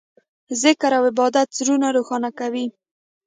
ذکر او عبادت زړونه روښانه کوي.